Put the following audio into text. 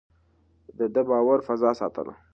ده د باور فضا ساتله.